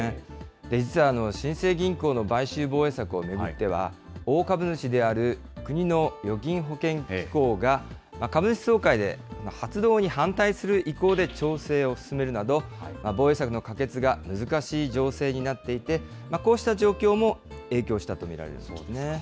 実は新生銀行の買収防衛策を巡っては、大株主である国の預金保険機構が、株主総会で発動に反対する意向で調整を進めるなど、防衛策の可決が難しい情勢になっていて、こうした状況も影響したと見られるんですね。